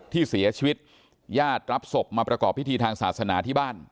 ที่เสียชีวิตญาติรับศพมาประกอบพิธีทางศาสนาที่บ้าน